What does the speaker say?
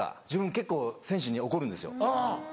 自分結構選手に怒るんですよ。